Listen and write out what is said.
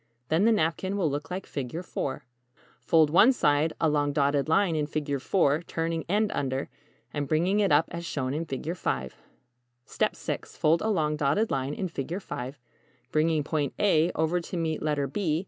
Then the napkin will look like =Figure IV= 5. Fold one side along dotted line in =Figure IV=, turning end under, and bringing it up as shown in =Figure V= 6. Fold along dotted line in =Figure V=, bringing point "a" over to meet letter "b".